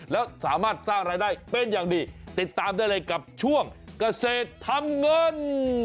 แล้วสามารถสร้างรายได้เป็นอย่างดีติดตามได้เลยกับช่วงเกษตรทำเงิน